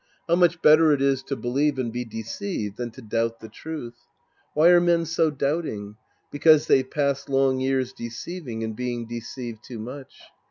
How much better it is to believe and be deceived than to doubt the truth ! Why are men so doubting ? Because they've passed Ijng years deceiving and being deceived too much.